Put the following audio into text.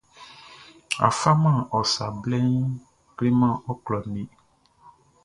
A faman ɔ sa bɛʼn kleman ɔ klɔʼn le.